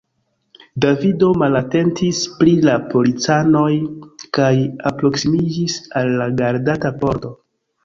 Davido malatentis pri la policanoj kaj alproksimiĝis al la gardata pordo.